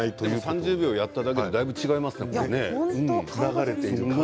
３０秒やっただけでだいぶ違いますね。